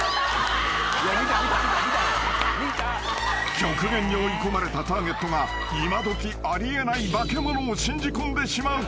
［極限に追い込まれたターゲットが今どきあり得ない化け物を信じ込んでしまうこのシリーズ］